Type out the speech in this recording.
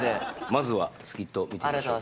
まずはスキットを見てみましょうか。